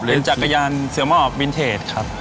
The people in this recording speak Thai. เป็นจักรยานเสือมอบวินเทจครับ